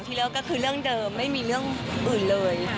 เลิกก็คือเรื่องเดิมไม่มีเรื่องอื่นเลย